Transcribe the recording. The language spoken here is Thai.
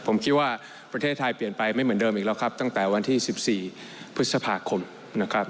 ผมคิดว่าประเทศไทยเปลี่ยนไปไม่เหมือนเดิมอีกแล้วครับตั้งแต่วันที่๑๔พฤษภาคมนะครับ